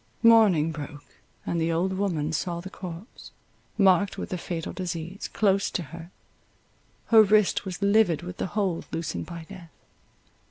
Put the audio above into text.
Morning broke; and the old woman saw the corpse, marked with the fatal disease, close to her; her wrist was livid with the hold loosened by death.